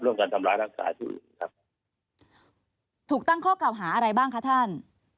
การทำร้ายร่างกายผู้อื่นครับถูกตั้งข้อกล่าวหาอะไรบ้างคะท่าน